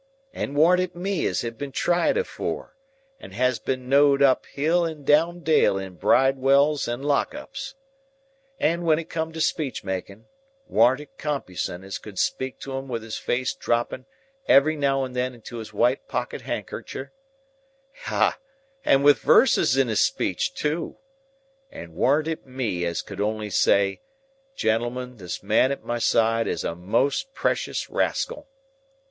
And warn't it me as had been tried afore, and as had been know'd up hill and down dale in Bridewells and Lock Ups! And when it come to speech making, warn't it Compeyson as could speak to 'em wi' his face dropping every now and then into his white pocket handkercher,—ah! and wi' verses in his speech, too,—and warn't it me as could only say, 'Gentlemen, this man at my side is a most precious rascal'?